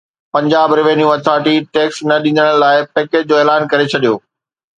Punjab revenue authority tax نه ڏيندڙن لاءِ پيڪيج جو اعلان ڪري ڇڏيو